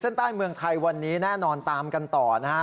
เส้นใต้เมืองไทยวันนี้แน่นอนตามกันต่อนะฮะ